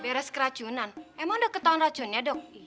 beres keracunan emang sudah ketahuan racunnya dok